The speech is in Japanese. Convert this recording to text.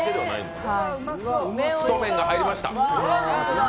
太麺が入りました。